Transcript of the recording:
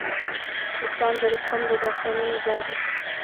سیستان د رستم د داستانونو ځای دی